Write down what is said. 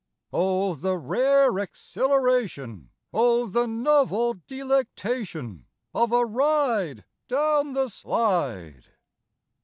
Oh, the rare exhilaration, Oh, the novel delectation Of a ride down the slide!